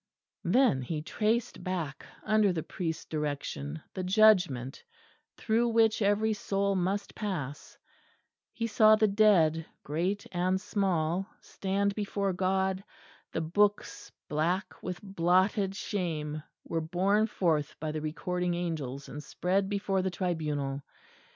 Then he traced back, under the priest's direction, the Judgment through which every soul must pass; he saw the dead, great and small, stand before God; the books, black with blotted shame, were borne forth by the recording angels and spread before the tribunal.